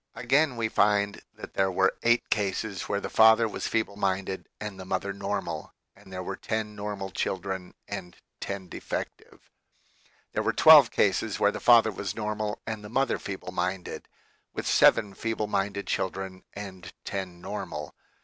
Again, we find that there were eight cases where the father was feeble minded and the mother normal, and there were ten normal children and ten defective. There were twelve cases where the father was normal and the mother feeble minded, with seven feeble minded WHAT IS TO BE DONE? 115 children and ten normal.